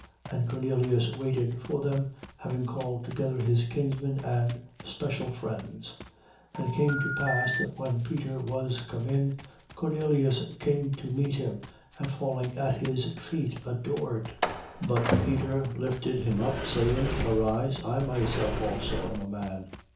And Cornelius waited for them, having called together his kinsmen and special friends. 10:25. And it came to pass that when Peter was come in, Cornelius came to meet him and falling at his feet adored. 10:26. But Peter lifted him up, saying: Arise: I myself also am a man.